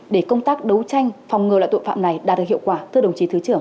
để công tác đấu tranh phòng ngừa loại tội phạm này đạt được hiệu quả thưa đồng chí thứ trưởng